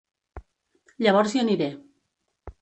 Llavors hi aniré.